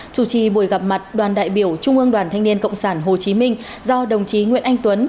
chủ trì buổi gặp mặt đoàn đại biểu trung ương đoàn thanh niên cộng sản hồ chí minh do đồng chí nguyễn anh tuấn